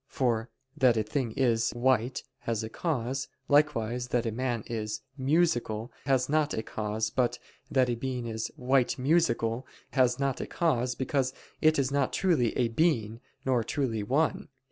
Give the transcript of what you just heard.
For (that a thing is) "white" has a cause, likewise (that a man is) "musical" has not a cause, but (that a being is) "white musical" has not a cause, because it is not truly a being, nor truly one.